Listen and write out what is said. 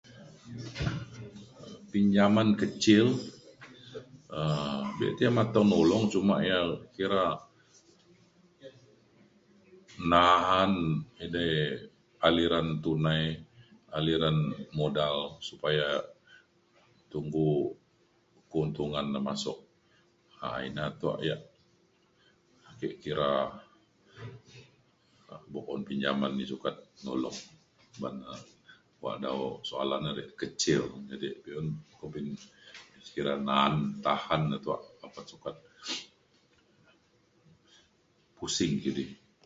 Pinjaman kecil um be keh mateng nulong cuma ia’ kira na’an edei aliran tunai aliran modal supaya tunggu keuntungan na masuk um ina tuak yak ake kira pu’un pinjaman ni sukat nolong ban da bak dau soalan [unintelligible] kecil jadi be’un kumbin kira na’an tahan ne tuak apan cepat pusing kidi